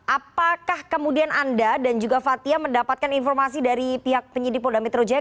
apakah kemudian anda dan juga fathia mendapatkan informasi dari pihak penyidik polda metro jaya